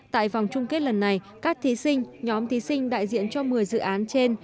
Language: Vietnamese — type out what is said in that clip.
tại vòng chung kết lần này các thí sinh nhóm thí sinh đại diện cho một mươi dự án trên